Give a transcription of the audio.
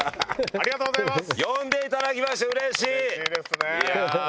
ありがとうございます！